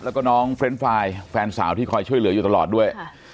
แล้วก็น้องเฟรนด์ไฟล์แฟนสาวที่คอยช่วยเหลืออยู่ตลอดด้วย